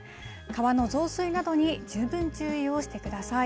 川の増水などに十分注意をしてください。